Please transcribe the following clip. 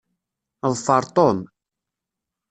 Ḍfer Tom.